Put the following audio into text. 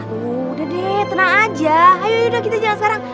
aduh udah deh tenang aja ayo kita jalan sekarang